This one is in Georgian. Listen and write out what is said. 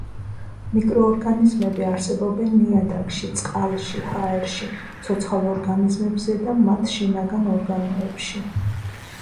მიკროორგანიზმები არსებობენ ნიადაგში, წყალში, ჰაერში, ცოცხალ ორგანიზმებზე და მათ შინაგან ორგანოებში.